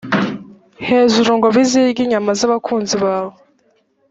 hejuru ngo bizirye inyama z abakunzi bawe